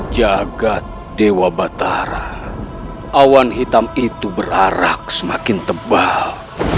jagat dewa batara awan hitam itu berarak semakin tebal